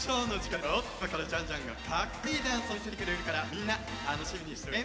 いまからジャンジャンがかっこいいダンスをみせてくれるからみんなたのしみにしておいてね！